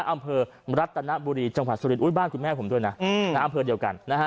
อำเภอรัตนบุรีจังหวัดสุรินอุ้ยบ้านคุณแม่ผมด้วยนะอำเภอเดียวกันนะฮะ